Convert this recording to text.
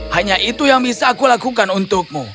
hanya itu yang bisa aku lakukan untukmu